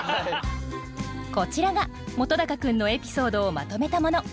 こちらが本君のエピソードをまとめたもの。